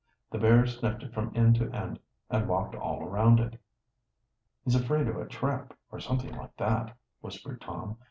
The bear sniffed it from end to end, and walked all around it. "He's afraid of a trap, or something like that," whispered Tom.